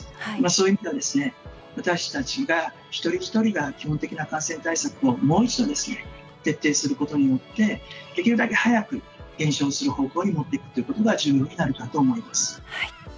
そういった私たちが一人一人が基本的な感染対策をもう一度徹底することによってできるだけ早く減少する方向に持っていくということが重要になるかと思います。